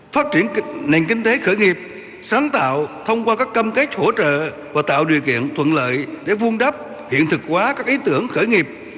phát triển nền kinh tế khởi nghiệp sáng tạo thông qua các cam kết hỗ trợ và tạo điều kiện thuận lợi để vun đắp hiện thực hóa các ý tưởng khởi nghiệp